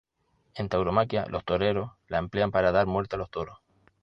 En tauromaquia, los toreros la emplean para dar muerte a los toros.